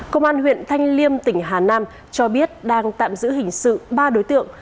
công an huyện thanh liêm tỉnh hà nam cho biết đang tạm giữ hình sự ba đối tượng